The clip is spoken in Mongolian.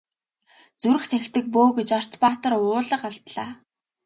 Зүрх тахидаг бөө гэж Арц баатар уулга алдлаа.